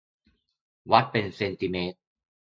วัดเป็นเซนติเมตร